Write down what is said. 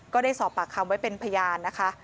ก็ได้สอบปากคำไว้เป็นพยานนะคะ